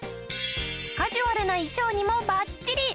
カジュアルな衣装にもバッチリ！